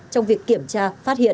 trong việc kiểm tra phát hiện